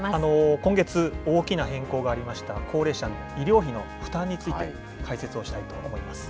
今月、大きな変更がありました高齢者の医療費の負担について、解説をしたいと思います。